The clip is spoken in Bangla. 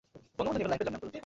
হ্যাঁ, কিন্তু তুমি তো স্যাম নও।